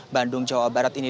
bandung jawa barat ini